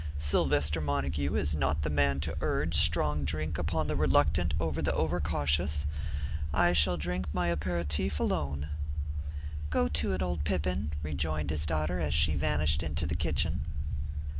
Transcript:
"Sylvester Montague is not the man to urge strong drink upon the reluctant or the over cautious. I shall drink my aperatif alone." "Go to it, old Pippin," rejoined his daughter as she vanished to the kitchen.